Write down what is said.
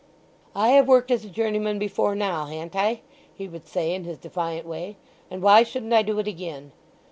"I have worked as a journeyman before now, ha'n't I?" he would say in his defiant way; "and why shouldn't I do it again?"